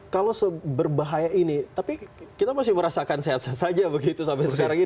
kalau seberbahaya ini tapi kita masih merasakan sehat sehat saja begitu sampai sekarang ini